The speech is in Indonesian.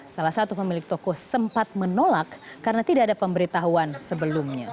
salah satu pemilik toko sempat menolak karena tidak ada pemberitahuan sebelumnya